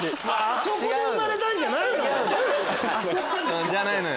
あそこで生まれたんじゃないの？じゃないのよ。